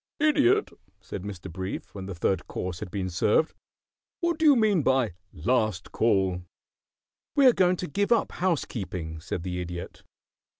"Idiot," said Mr. Brief, when the third course had been served, "what do you mean by 'Last Call?'" "We are going to give up housekeeping," said the Idiot.